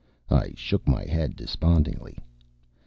I shook my head despondingly.